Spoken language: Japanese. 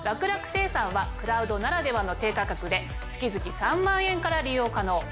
楽楽精算はクラウドならではの低価格で月々３万円から利用可能。